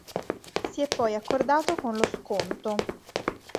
Si è poi accordato con lo Skonto.